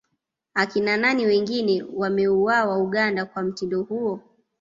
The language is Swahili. Akina nani wengine wameuawa Uganda kwa mtindo huo